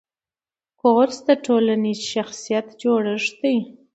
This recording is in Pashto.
کورس د ټولنیز شخصیت جوړښت دی.